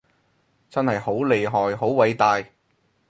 真係好厲害好偉大